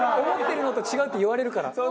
「思ってるのと違う」って言われるから。